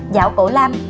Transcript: giảo cổ lam